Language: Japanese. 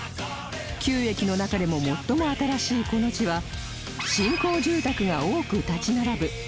９駅の中でも最も新しいこの地は新興住宅が多く立ち並ぶ